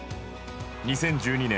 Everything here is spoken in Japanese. ２０１２年